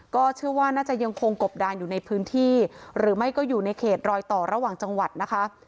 ก็เชื่อว่าน่าจะยังคงกบดานอยู่ในพื้นที่หรือไม่ก็อยู่ในเขตรอยต่อระหว่างจังหวัดนะคะ